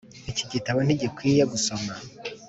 iki gitabo ntigikwiye gusoma.